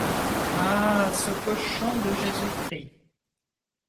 Ah! ce cochon de Jésus-Christ !